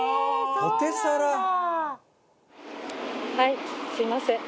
はいすみません。